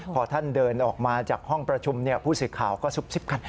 พอท่านเดินออกมาจากห้องประชุมผู้สื่อข่าวก็ซุบซิบกัน